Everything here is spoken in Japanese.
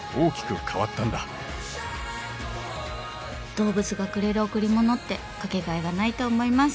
動物がくれる贈り物って掛けがえがないと思います。